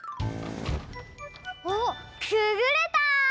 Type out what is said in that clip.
おっくぐれた！